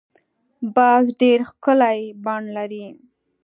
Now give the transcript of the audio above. باز ډېر ښکلی بڼ لري